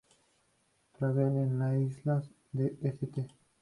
Travel en las islas de St.